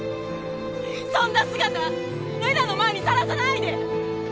そんな姿玲奈の前にさらさないで！